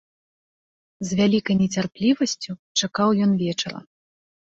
З вялікай нецярплівасцю чакаў ён вечара.